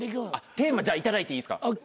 テーマ頂いていいですか？